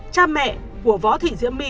cha mẹ của võ thị diễm my